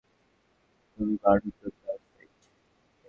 তুমি বার্নার্ডোর গার্লফ্রেন্ড।